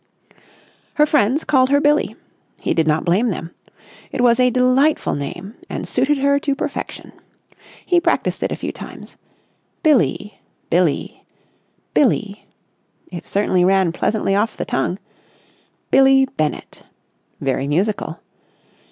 Her friends called her Billie. He did not blame them. It was a delightful name and suited her to perfection. He practised it a few times. "Billie ... Billie ... Billie...." It certainly ran pleasantly off the tongue. "Billie Bennett." Very musical.